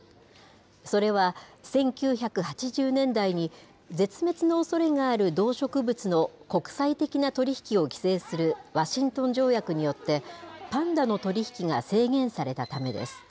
それは、１９８０年代に絶滅のおそれがある動植物の国際的な取り引きを規制するワシントン条約によって、パンダの取り引きが制限されたためです。